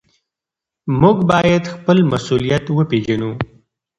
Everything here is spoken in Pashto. موږ بايد خپل مسؤليت وپېژنو.